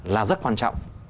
là rất quan trọng